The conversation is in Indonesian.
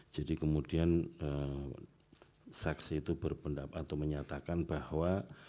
jadi kemudian saksi itu berpendapat atau menyatakan bahwa